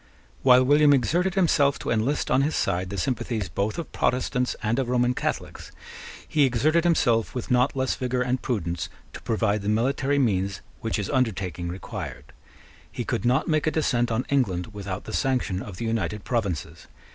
While William exerted himself to enlist on his side the sympathies both of Protestants and of Roman Catholics, he exerted himself with not less vigour and prudence to provide the military means which his undertaking required. He could not make a descent on England without the sanction of the United Provinces.